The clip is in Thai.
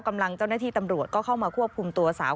กำลังเจ้าหน้าที่ตำรวจก็เข้ามาควบคุมตัวสาว